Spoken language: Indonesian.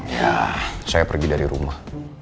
ya saya pergi dari rumah